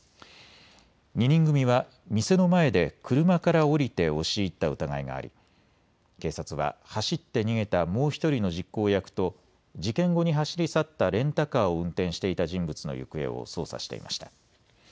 ２人組は店の前で車から降りて押し入った疑いがあり警察は走って逃げたもう１人の実行役と事件後に走り去ったレンタカーを運転していた人物の行方を捜査していました。